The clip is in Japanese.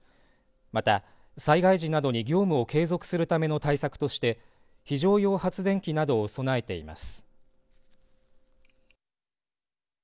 また、災害時などに業務を継続するための対策として非常用発電機などを備えています。